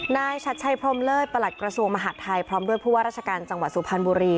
ชัดชัยพรมเลิศประหลัดกระทรวงมหาดไทยพร้อมด้วยผู้ว่าราชการจังหวัดสุพรรณบุรี